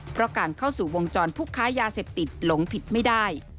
เพราะการเข้าสู่วงจรผู้ค้ายาเสพติดหลงผิดไม่ได้